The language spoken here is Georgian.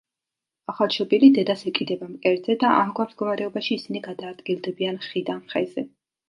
ახალშობილი დედას ეკიდება მკერდზე და ამგვარ მდგომარეობაში ისინი გადაადგილდებიან ხიდან ხეზე.